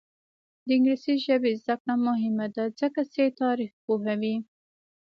د انګلیسي ژبې زده کړه مهمه ده ځکه چې تاریخ پوهوي.